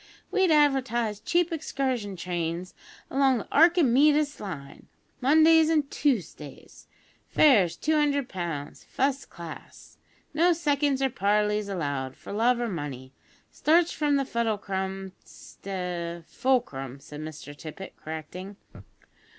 we'd advertise cheap excursion trains along the Arkimeedis Line, Mondays an' Toosdays. Fares, two hundred pounds, fust class. No seconds or parleys allowed for love or money. Starts from the Fuddlecrum Sta " "Fulcrum," said Mr Tippet, correcting.